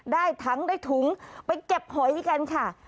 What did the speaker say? ได้ถังได้ถุงไปเก็บหอยกันค่ะ